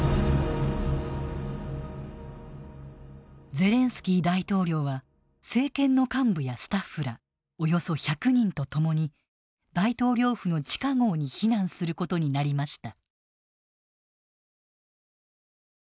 ゼレンスキー大統領は政権の幹部やスタッフらおよそ１００人と共に大統領府の地下壕に避難することになりました。